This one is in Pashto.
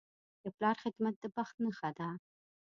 د پلار خدمت د بخت نښه ده.